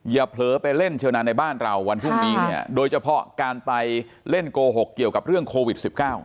เผลอไปเล่นเชี่ยวนานในบ้านเราวันพรุ่งนี้เนี่ยโดยเฉพาะการไปเล่นโกหกเกี่ยวกับเรื่องโควิด๑๙